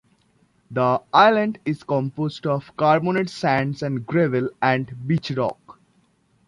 The island is composed of carbonate sands and gravel, and beach-rock.